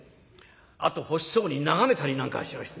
あと欲しそうに眺めたりなんかしまして。